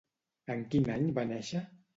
En quin any va néixer?